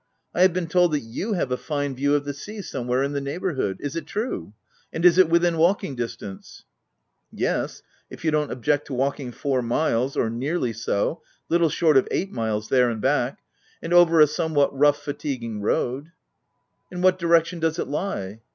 I have been told that you have a fine view of the sea somewhere in the neighbourhood — Is it true ?— and is it within walking distance V " Yes, if you don't object to walking four miles, — or nearly so — little short of eight miles there and back — and over a somewhat rough, fatiguing road/' " In what direction does it lie